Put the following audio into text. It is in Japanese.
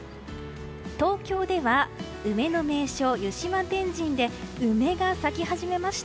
東京では梅の名所、湯島天神で梅が咲き始めました。